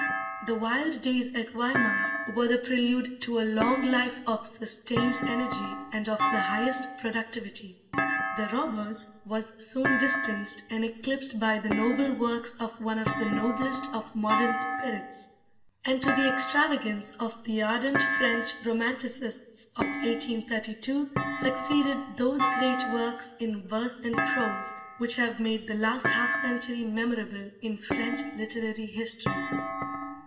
The wild days at Weimar were the prelude to a long life of sustained energy and of the highest productivity; "The Robbers" was soon distanced and eclipsed by the noble works of one of the noblest of modern spirits; and to the extravagance of the ardent French Romanticists of 1832 succeeded those great works in verse and prose which have made the last half century memorable in French literary history.